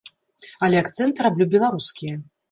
Але акцэнты раблю беларускія.